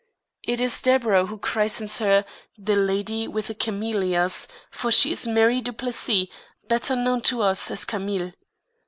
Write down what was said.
It is Deburau who christens her "the lady with the camellias," for she is Marie Duplessis, better known to us as Camille.